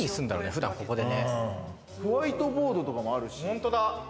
普段ここでホワイトボードとかもあるし。